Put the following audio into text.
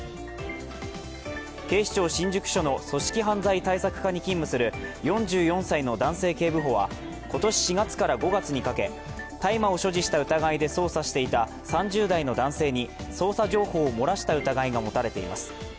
警視庁新宿署の組織犯罪対策課に勤務する４４歳の男性警部補は今年４月から５月にかけ大麻を所持した疑いで捜査していた３０代の男性に捜査情報を漏らした疑いが持たれています。